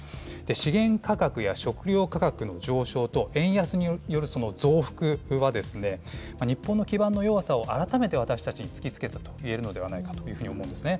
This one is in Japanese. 資源価格や食料価格の上昇と、円安によるその増幅は、日本の基盤の弱さを改めて私たちに突きつけたと言えるのではないかというふうに思うんですね。